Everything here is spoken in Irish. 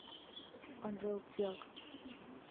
An bhróg bheag